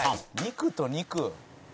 「肉と肉」